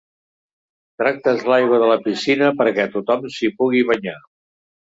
Tractes l'aigua de la piscina perquè tothom s'hi pugui banyar.